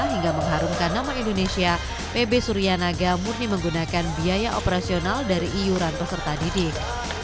hingga mengharumkan nama indonesia pb suryanaga murni menggunakan biaya operasional dari iuran peserta didik